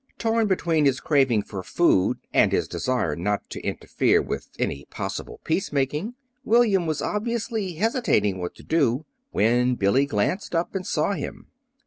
Torn between his craving for food and his desire not to interfere with any possible peace making, William was obviously hesitating what to do, when Billy glanced up and saw him.